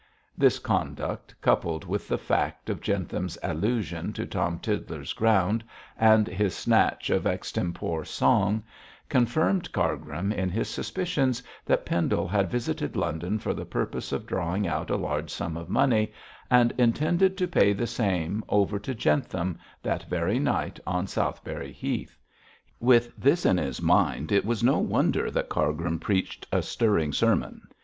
This conduct, coupled with the fact of Jentham's allusion to Tom Tiddler's ground, and his snatch of extempore song, confirmed Cargrim in his suspicions that Pendle had visited London for the purpose of drawing out a large sum of money, and intended to pay the same over to Jentham that very night on Southberry Heath. With this in his mind it was no wonder that Cargrim preached a stirring sermon.